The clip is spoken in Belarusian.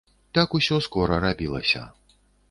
Так усё скора рабілася.